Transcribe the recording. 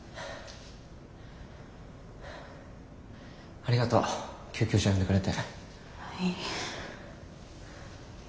ありがとう救急車呼んでくれて。